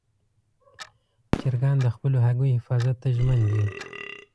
چرګان د خپلو هګیو حفاظت ته ژمن دي.